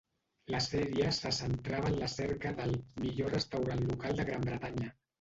La sèrie se centrava en la cerca del "millor restaurant local de Gran Bretanya".